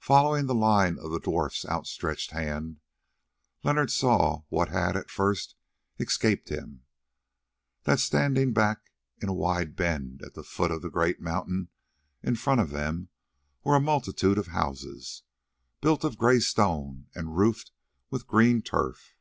Following the line of the dwarf's outstretched hand, Leonard saw what had at first escaped him, that standing back in a wide bend at the foot of the great mountain in front of them were a multitude of houses, built of grey stone and roofed with green turf.